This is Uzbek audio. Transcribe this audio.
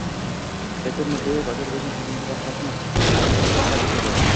Shavkat Mirziyoyev Ozarbayjon prezidenti va xalqini G‘alaba kuni bilan tabrikladi